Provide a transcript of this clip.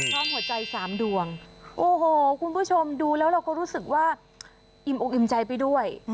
พร้อมหัวใจสามดวงโอ้โหคุณผู้ชมดูแล้วเราก็รู้สึกว่าอิ่มอกอิ่มใจไปด้วย